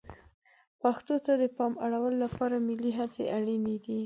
پښتو ته د پام اړولو لپاره ملي هڅې اړینې دي.